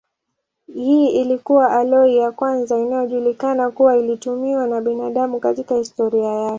Hii ilikuwa aloi ya kwanza inayojulikana kuwa ilitumiwa na binadamu katika historia yake.